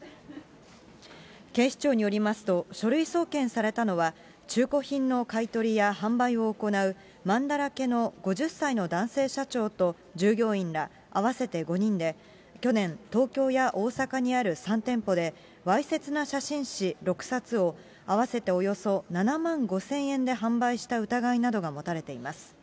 警視庁によりますと、書類送検されたのは、中古品の買い取りや販売を行う、まんだらけの５０歳の男性社長と、従業員ら合わせて５人で、去年、東京や大阪にある３店舗で、わいせつな写真誌６冊を、合わせておよそ７万５０００円で販売した疑いなどが持たれています。